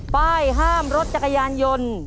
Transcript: ป้ายห้ามรถจักรยานยนต์